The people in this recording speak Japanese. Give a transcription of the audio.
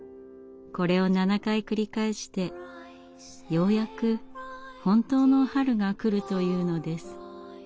これを７回繰り返してようやく本当の春が来るというのです。